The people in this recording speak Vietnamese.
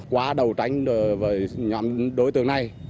quá đầu tránh với nhóm đối tượng này